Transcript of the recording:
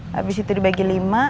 habis itu dibagi lima